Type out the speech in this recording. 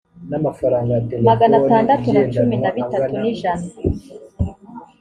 magana atandatu na cumi na bitatu n ijana